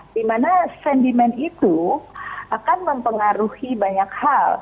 di mana sentimen itu akan mempengaruhi banyak hal